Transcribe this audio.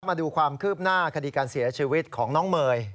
มาดูความคืบหน้าคดีการเสียชีวิตของน้องเมย์